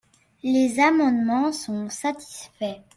Les amendements sont satisfaits.